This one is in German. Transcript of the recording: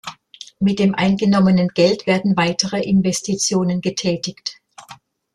Mit dem eingenommenen Geld werden weitere Investitionen getätigt.